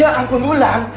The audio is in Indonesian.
ya ampun ulang